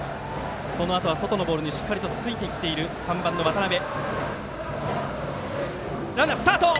そのあとは外のボールにしっかりとついていっている３番の渡邊。